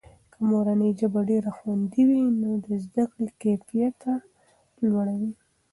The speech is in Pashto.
که مورنۍ ژبه ډېره خوندي وي، نو د زده کړې کیفیته لوړه وي.